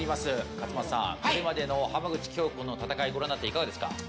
勝俣さん、これまでの浜口京子の戦いを見ていかがですか？